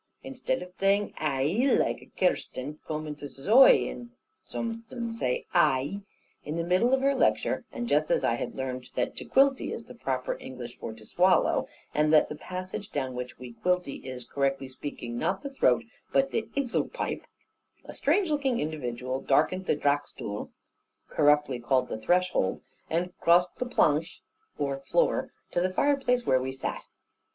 Instead of zaying 'ai' laike a Kirsten, zome on em zays 'oi,' and zome on em 'I.'" In the middle of her lecture, and just as I had learned that to "quilty" is the proper English for to "swallow," and that the passage down which we quilty is, correctly speaking, not the throat, but the "ezelpipe," a strange looking individual darkened the "draxtool" (corruptly called the threshold) and crossed the "planch," or floor, to the fireplace where we sat.